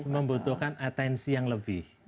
membutuhkan atensi yang lebih